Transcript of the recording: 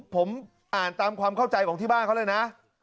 ผมอ่านตามความเข้าใจของที่บ้านเขาเลยนะ